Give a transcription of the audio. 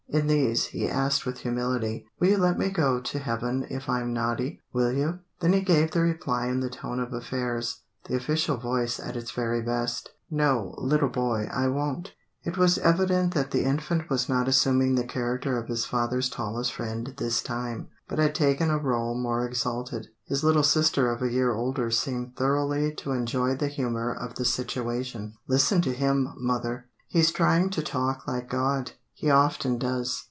In these, he asked with humility, "Will you let me go to heaven if I'm naughty? Will you?" Then he gave the reply in the tone of affairs, the official voice at its very best: "No, little boy, I won't!" It was evident that the infant was not assuming the character of his father's tallest friend this time, but had taken a role more exalted. His little sister of a year older seemed thoroughly to enjoy the humour of the situation. "Listen to him, mother. He's trying to talk like God. He often does."